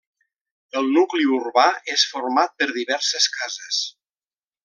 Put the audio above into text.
El nucli urbà és format per diverses cases.